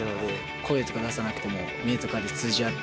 声とか出さなくても目とかで通じ合って。